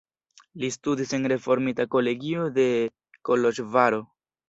Li studis en reformita kolegio de Koloĵvaro.